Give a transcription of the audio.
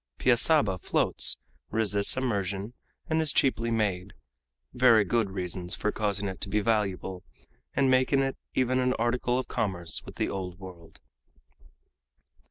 Piaçaba floats, resists immersion, and is cheaply made very good reasons for causing it to be valuable, and making it even an article of commerce with the Old World.